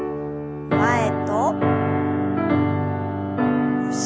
前と後ろへ。